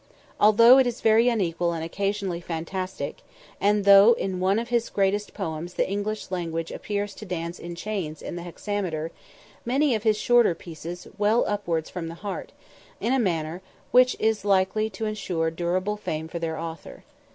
Although it is very unequal and occasionally fantastic, and though in one of his greatest poems the English language appears to dance in chains in the hexameter, many of his shorter pieces well upwards from the heart, in a manner which is likely to ensure durable fame for their author.